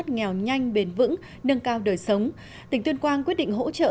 nghèo nhanh bền vững nâng cao đời sống tỉnh tuyên quang quyết định hỗ trợ